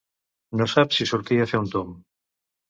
No sap si sortir a fer un tomb.